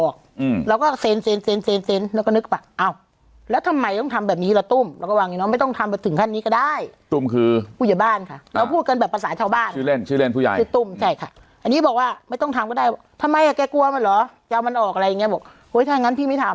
ค่าตำแหน่งอะไรค่าตำแหน่ง